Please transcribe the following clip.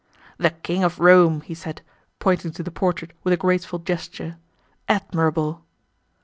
"The King of Rome!" he said, pointing to the portrait with a graceful gesture. "Admirable!"